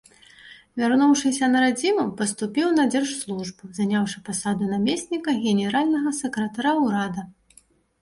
Вярнуўшыся на радзіму, паступіў на дзяржслужбу, заняўшы пасаду намесніка генеральнага сакратара ўрада.